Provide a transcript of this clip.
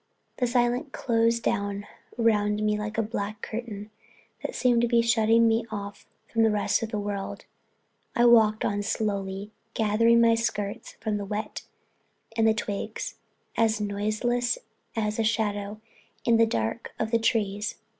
The silence closed down around me like a black curtain that seemed to be shutting me off from the rest of the world. I walked on slowly, gathering my skirts up from the wet and the twigs, as noiseless as a shadow in the dark of the trees.